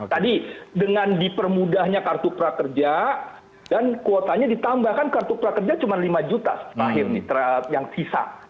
tadi dengan dipermudahnya kartu prakerja dan kuotanya ditambahkan kartu prakerja cuma lima juta terakhir yang sisa